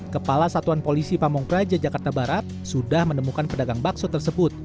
kepala satuan polisi pamung praja jakarta barat sudah menemukan pedagang bakso tersebut